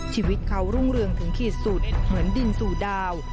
ชีวิตเขารุ่งเรืองถึงขีดสุดเหมือนดินสู่ดาว